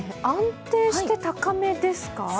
安定して高めですか。